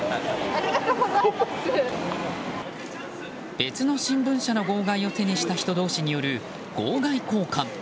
別の新聞社の号外を手にした人同士による号外交換。